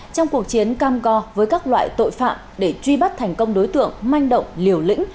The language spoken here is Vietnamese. trong cuộc chiến cam go với các loại tội phạm để truy bắt thành công đối tượng manh động liều lĩnh